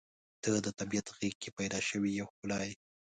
• ته د طبیعت غېږ کې پیدا شوې یوه ښکلا یې.